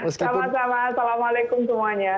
selamat malam assalamualaikum semuanya